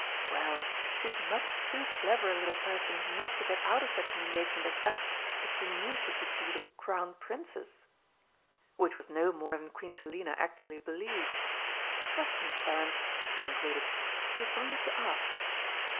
Well, she's much too clever a little person not to get out of such an engagement as that if she knew she could be the Crown Princess." Which was no more than Queen Selina actually believed. "Trust me, Clarence," she concluded, "you've only to ask."